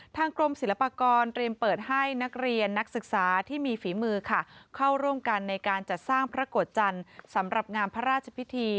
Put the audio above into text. กรมศิลปากรเตรียมเปิดให้นักเรียนนักศึกษาที่มีฝีมือค่ะเข้าร่วมกันในการจัดสร้างพระโกรธจันทร์สำหรับงานพระราชพิธี